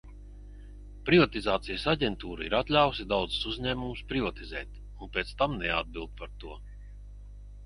Privatizācijas aģentūra ir atļāvusi daudzus uzņēmumus privatizēt un pēc tam neatbild par to.